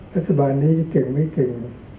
รัฐบาลนี้จะเก่งไม่เก่ง